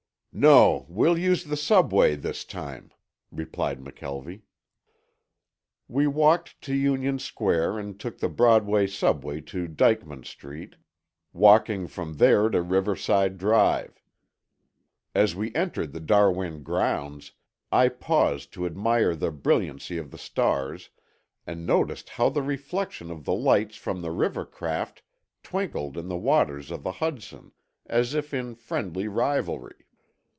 "No, we'll use the subway this time," replied McKelvie. We walked to Union Square and took the Broadway Subway to Dyckman Street, walking from there to Riverside Drive. As we entered the Darwin grounds I paused to admire the brilliancy of the stars, and noticed how the reflection of the lights from the river craft twinkled in the waters of the Hudson as if in friendly rivalry.